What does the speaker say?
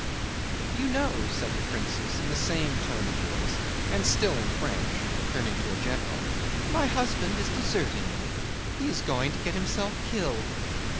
"You know," said the princess in the same tone of voice and still in French, turning to a general, "my husband is deserting me? He is going to get himself killed.